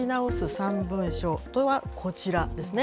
３文書とはこちらですね。